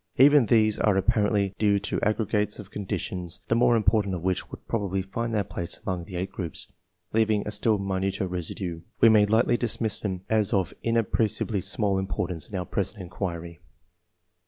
Even these are apparently due to aggregates of conditions, the more im portant of which would probably find their place among the 8 groups, leaving a still minuter residue. We may lightly dismiss them as of inappreciably small importance in our present inquiry.